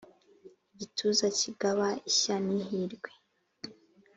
Igituza kigaba ishya n’ihirwe